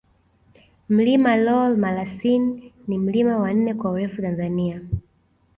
Mlima Lool Malasin ni mlima wa nne kwa urefu Tanzania